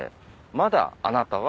まだあなたは。